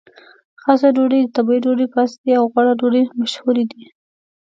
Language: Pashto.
خاصه ډوډۍ، د تبۍ ډوډۍ، پاستي او غوړه ډوډۍ مشهورې دي.